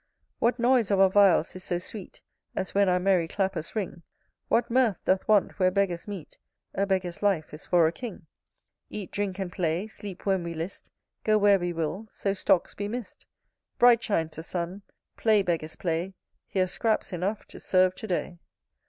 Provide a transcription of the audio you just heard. What noise of viols is so sweet, As when our merry clappers ring? What mirth doth want where Beggars meet? A Beggar's life is for a King. Eat, drink, and play, sleep when we list Go where we will, so stocks be mist. Bright shines the sun; play, Beggars, play, Here's scraps enough to serve to day.